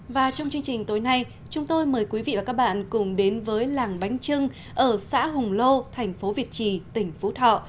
và trong chương trình tối nay chúng tôi mời quý vị và các bạn cùng đến với làng bánh trưng ở xã hùng lô thành phố việt trì tỉnh phú thọ